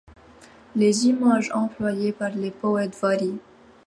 Les images employées par les poètes varient.